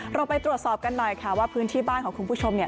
เราไปตรวจสอบกันหน่อยค่ะว่าพื้นที่บ้านของคุณผู้ชมเนี่ย